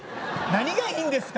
何がいいんですか？